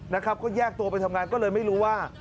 นะครับก็แยกตัวไปทำงานก็เลยไม่รู้ว่า